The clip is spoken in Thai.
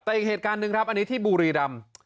แต่อีกเหตุการณ์หนึ่งครับอันนี้ที่บุรีรำ